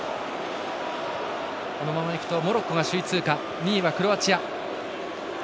このままいくとモロッコが首位通過２位はクロアチア。